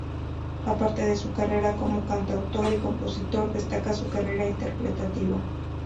A parte de su carrera como cantautor y compositor, destaca su carrera interpretativa.